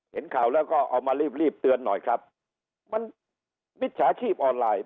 เห็นข่าวแล้วก็เอามารีบีต้นหน่อยครับมันปิดดึกโอนไลน์